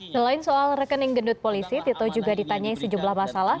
selain soal rekening gendut polisi tito juga ditanyai sejumlah masalah